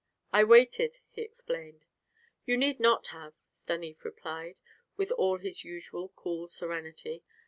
"I waited," he explained. "You need not have," Stanief replied, with all his usual cool serenity.